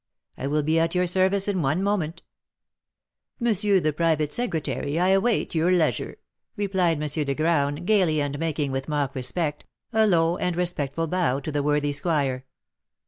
I will be at your service in one moment." "M. the Private Secretary, I await your leisure," replied M. de Graün, gaily, and making, with mock respect, a low and respectful bow to the worthy squire.